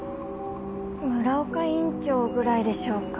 村岡院長ぐらいでしょうか。